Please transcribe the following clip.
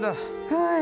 はい。